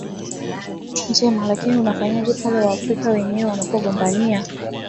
njema lakini unafanyaje pale Waafrika wenyewe wanagombania